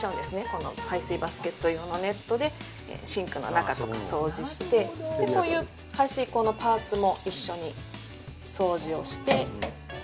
この排水バスケット用のネットで、シンクの中とか掃除して、こういう排水口のパーツも一緒に掃除をして。